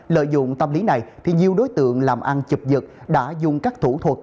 lợi dụng tâm lý này nhiều đối tượng làm ăn chụp dựt đã dùng các thủ thuật